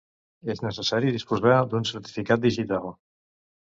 És necessari disposar d'un certificat digital.